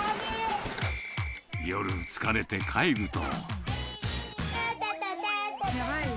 夜疲れて帰ると。